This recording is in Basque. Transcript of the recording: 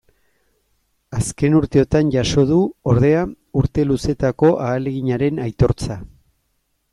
Azken urteotan jaso du, ordea, urte luzetako ahaleginaren aitortza.